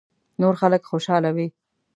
نور خلک خوشاله وي .